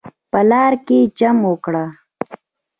په لاره کې چم وکړ.